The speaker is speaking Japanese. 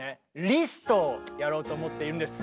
リストをやろうと思っているんです。